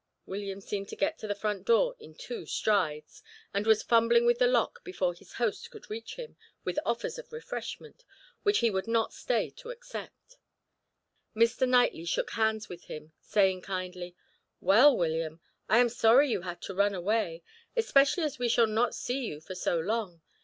William seemed to get to the front door in two strides, and was fumbling with the lock before his host could reach him, with offers of refreshment, which he would not stay to accept. Mr. Knightley shook hands with him, saying kindly: "Well, William, I am sorry you had to run away, especially as we shall not see you for so long.